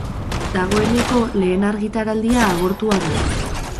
Dagoeneko lehen argitaraldia agortua da.